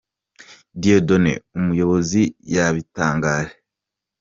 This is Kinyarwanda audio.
Dieudonné, umuyobozi yabitangaje.